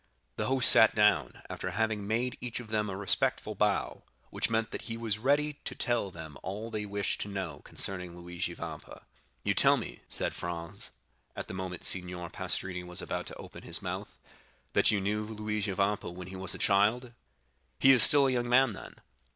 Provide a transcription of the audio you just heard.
The host sat down, after having made each of them a respectful bow, which meant that he was ready to tell them all they wished to know concerning Luigi Vampa. "You tell me," said Franz, at the moment Signor Pastrini was about to open his mouth, "that you knew Luigi Vampa when he was a child—he is still a young man, then?"